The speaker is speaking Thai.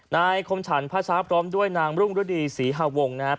นายคมฉันภาษาพร้อมด้วยนางรุ่งฤดีศรีฮวงศ์นะครับ